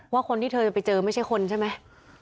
ว่าคนที่เธอจะไปเจอไม่ใช่คนใช่ไหม